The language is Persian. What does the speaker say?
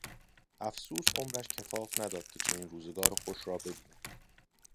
افسوس عمرش کفاف نداد که چنین روزگار خوش را ببیند.